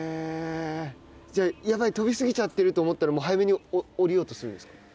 やばい飛び過ぎちゃってると思ったらもう早めに降りようとするんですか。